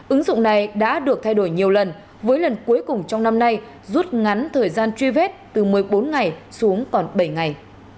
ứng dụng này đã được thay đổi nhiều lần với lần cuối cùng trong năm nay rút ngắn thời gian truy vết từ một mươi bốn ngày xuống còn bảy ngày